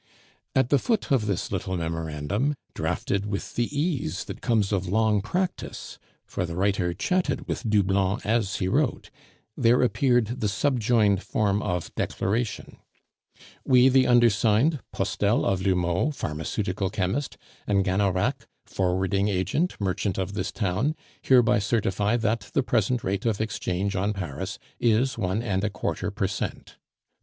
At the foot of this little memorandum, drafted with the ease that comes of long practice (for the writer chatted with Doublon as he wrote), there appeared the subjoined form of declaration: "We, the undersigned, Postel of L'Houmeau, pharmaceutical chemist, and Gannerac, forwarding agent, merchant of this town, hereby certify that the present rate of exchange on Paris is one and a quarter per cent.